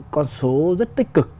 con số rất tích cực